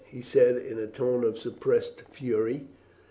he said, in a tone of suppressed fury.